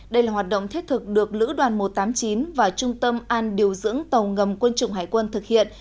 đây là hoạt động thiết thực được lữ đoàn một trăm tám mươi chín và trung tâm an điều dưỡng tàu ngầm quân chủng hải quân thực hiện